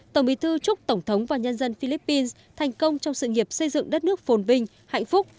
tổng bí thư chúc tổng thống và nhân dân philippines thành công trong sự nghiệp xây dựng đất nước phồn vinh hạnh phúc